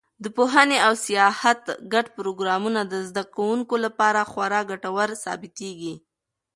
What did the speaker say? د پوهنې او سیاحت ګډ پروګرامونه د زده کوونکو لپاره خورا ګټور ثابتېږي.